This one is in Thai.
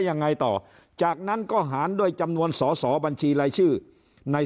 ยังไงต่อจากนั้นก็หารด้วยจำนวนสอสอบัญชีรายชื่อใน